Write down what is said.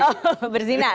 oh bersinar ya